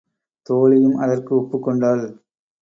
தோழியும் அதற்கு ஒப்புக் கொண்டாள்.